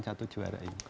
satu juara ini